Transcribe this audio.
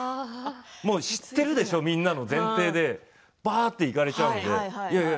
もう知っているでしょうというみんなの前提でばあっといかれちゃうのでいやいや